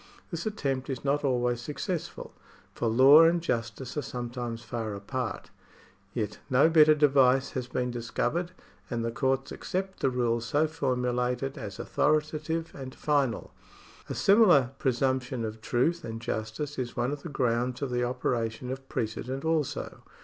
This attempt is not always successful, for law and justice are sometimes far apart ; yet no better device has been discovered, and the courts accept the rules so formulated as authoritative and final. A similar presumption of truth and justice is one of the grounds of the operation of precedent also.